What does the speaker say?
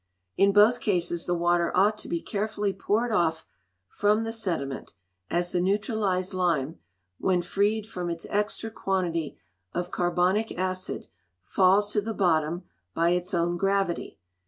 In both cases the water ought to be carefully poured off from the sediment, as the neutralized lime, when freed from its extra quantity of carbonic acid, falls to the bottom by its own gravity.